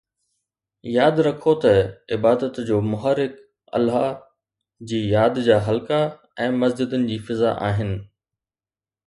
ياد رکو ته عبادت جو محرڪ الله جي ياد جا حلقا ۽ مسجدن جي فضا آهن.